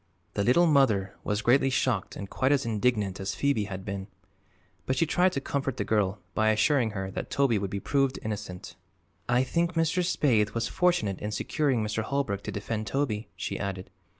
The Little Mother was greatly shocked and quite as indignant as Phoebe had been. But she tried to comfort the girl by assuring her that Toby would be proved innocent. "I think Mr. Spaythe was fortunate in securing Mr. Holbrook to defend Toby," she added.